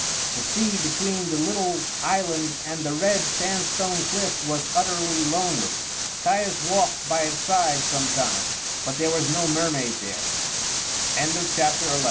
The sea between the little island and the red sandstone cliff was utterly lonely. Caius walked by its side sometimes, but there was no mermaid there. BOOK II. CHAPTER I.